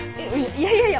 いやいやいや。